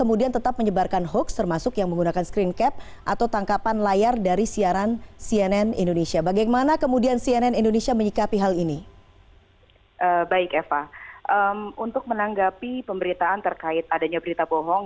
untuk menanggapi pemberitaan terkait adanya berita bohong